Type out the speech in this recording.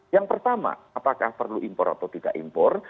yang pertama apakah perlu impor atau tidak impor